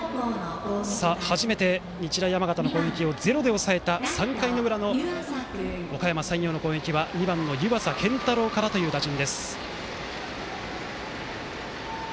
さあ、初めて日大山形の攻撃をゼロで抑えての３回の裏、おかやま山陽の攻撃は２番の湯淺健太郎からという打順。